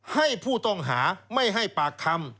ให้ผู้ต้องหาไม่ให้ปากคำ